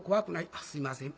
あっすいません。